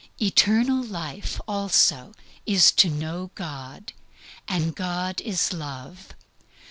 Eternal life also is to know God, and God is love.